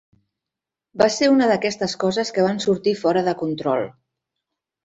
Va ser una d'aquestes coses que van sortir fora de control.